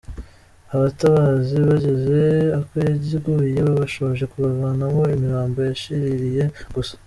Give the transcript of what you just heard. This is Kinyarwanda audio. Abatabazi bageze aho yaguye babashoje kuvanamo imirambo yashiririye gusa.